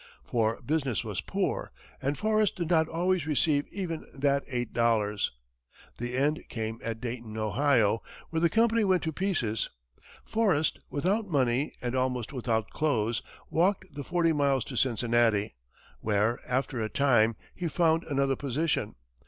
For business was poor, and Forrest did not always receive even that eight dollars. The end came at Dayton, Ohio, where the company went to pieces. Forrest, without money and almost without clothes, walked the forty miles to Cincinnati, where, after a time, he found another position.